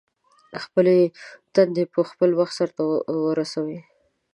خپلې دندې په خپل وخت سرته ورسوئ.